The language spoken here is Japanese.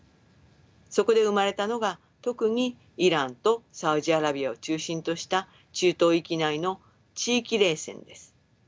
そこで生まれたのが特にイランとサウジアラビアを中心とした中東域内の地域冷戦です。